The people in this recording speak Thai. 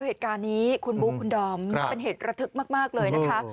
เหตุการณ์นี้คุณบุ๊คคุณดอมเป็นเหตุระทึกมากเลยนะคะ